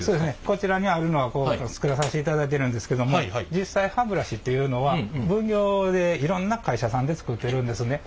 こちらにあるのは作らさせていただいてるんですけども実際いろんな会社さんで作ってるんですね。